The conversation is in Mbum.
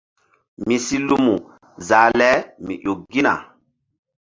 Mi si lumu zah le mi ƴo gina.